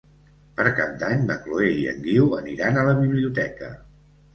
Per Cap d'Any na Chloé i en Guiu aniran a la biblioteca.